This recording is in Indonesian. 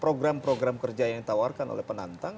program program kerja yang ditawarkan oleh penantang